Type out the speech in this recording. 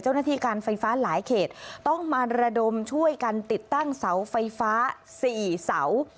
เจ้าหน้าที่การไฟฟ้าหลายเขตต้องมาระดมช่วยกันติดตั้งเสาไฟฟ้า๔เสา